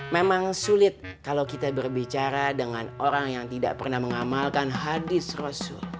memang sulit kalau kita berbicara dengan orang yang tidak pernah mengamalkan hadis rasul